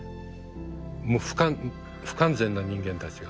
もう不完全な人間たちが。